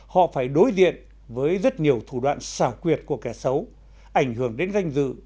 họ phải đối diện với rất nhiều thủ đoạn xảo quyệt của kẻ xấu ảnh hưởng đến danh dự